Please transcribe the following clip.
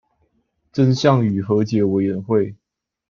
真相與和解委員會